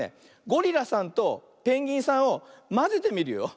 ゴリラさんとペンギンさんをまぜてみるよ。